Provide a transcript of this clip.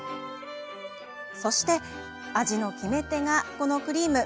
そして味の決め手がこのクリーム。